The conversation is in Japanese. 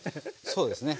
そうですね。